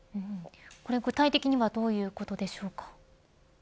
具体的にはどういったことでしょうか。